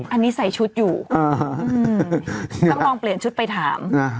อันนี้ใส่ชุดอยู่ต้องลองเปลี่ยนชุดไปถาม